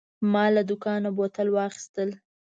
ما له دوکانه بوتان واخیستل.